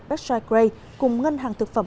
batchai gray cùng ngân hàng thực phẩm